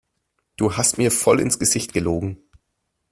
Du hast mir voll ins Gesicht gelogen!